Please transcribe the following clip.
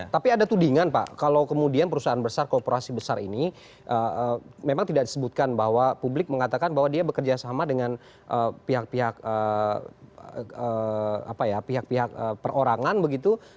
tapi ada tudingan pak kalau kemudian perusahaan besar kooperasi besar ini memang tidak disebutkan bahwa publik mengatakan bahwa dia bekerja sama dengan pihak pihak perorangan begitu